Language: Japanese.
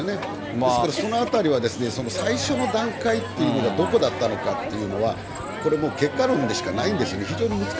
ですからそのあたりは、その最初の段階っていうのがどこだったのかっていうのは、これもう結果論でしかないんですよね。